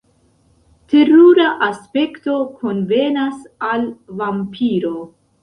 Terura aspekto konvenas al vampiro.